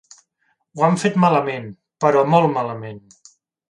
Ho han fet malament, però molt malament.